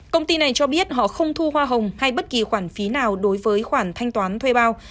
công ty này cho biết họ không thu hoa hồng hay bất kỳ khoản phí nào đối với khoản thanh toán thuê bao